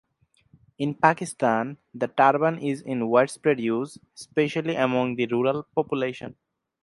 In Pakistan, the turban is in widespread use, especially among the rural population.